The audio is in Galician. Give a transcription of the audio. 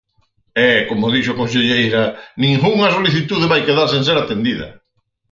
E, como dixo a conselleira, ningunha solicitude vai quedar sen ser atendida.